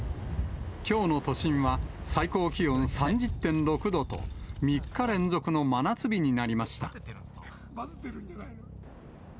きょうの都心は、最高気温３０．６度と、３日連続の真夏日になりました。